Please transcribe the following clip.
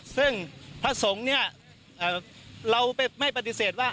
ซึ่งพระสงฆ์เนี่ยเราไม่ปฏิเสธว่า